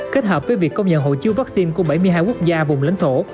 kết hợp với việc công nhận hộ chiếu vaccine của bảy mươi hai quốc gia vùng lãnh thổ